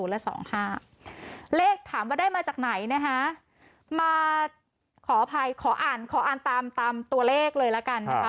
เลขถามว่าได้มาจากไหนนะคะมาขออภัยขออ่านขออ่านตามตามตัวเลขเลยละกันนะคะ